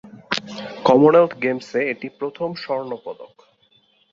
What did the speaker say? Commonwealth গেমসে এটি প্রথম স্বর্ণপদক।